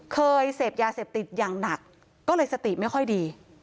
เคยเสพยาเสพติดอย่างหนักก็เลยสติไม่ค่อยดี